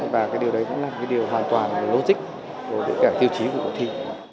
và cái điều đấy cũng là cái điều hoàn toàn logic của tất cả tiêu chí của cuộc thi